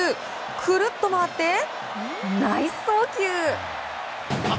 くるっと回ってナイス送球！